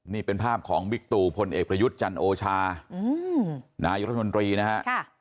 นี่เป็นภาพของบิ๊กตูพลเอกประยุทธ์จันโอชานายรัฐมนตรีนะฮะ